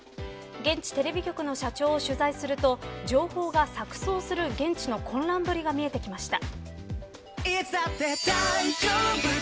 現地テレビ局の社長を取材すると情報が錯綜する現地の混乱ぶりが見えてきました。